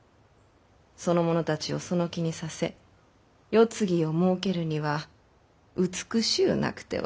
その者たちをその気にさせ世継ぎをもうけるには美しゅうなくては。